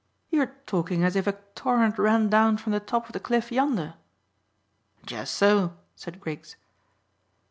"You're talking as if a torrent ran down from the top of the cliff yonder." "Jusso," said Griggs.